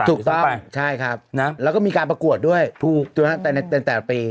ถูกพร้อมใช่ครับแล้วก็มีการประกวดด้วยแต่ปี